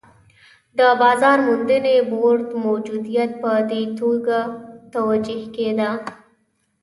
د بازار موندنې بورډ موجودیت په دې توګه توجیه کېده.